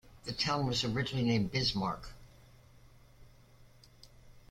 The town was originally named Bismarck.